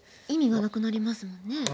意味がなくなりますもんね。